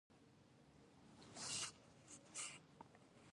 عدالت په کار کې څنګه پلی کیږي؟